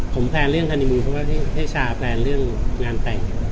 ผมแพลนเรื่องคดีเพราะว่าให้ชาแพลนเรื่องงานแต่ง